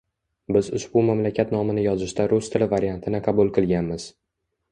Biz ushbu mamlakat nomini yozishda rus tili variantini qabul qilganmiz.